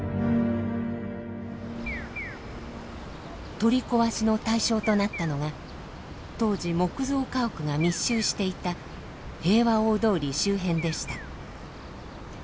取り壊しの対象となったのが当時木造家屋が密集していた平和大通り周辺でした。